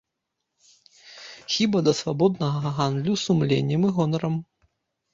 Хіба да свабоднага гандлю сумленнем і гонарам.